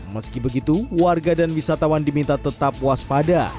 meski begitu warga dan wisatawan diminta tetap waspada